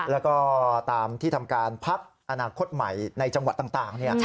แล้วก็ตามที่ทำการพักอนาคตใหม่ในจังหวัดต่าง